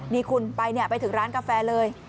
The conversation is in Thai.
นี่คุณไปเนี่ยไปถึงร้านกาแฟเลย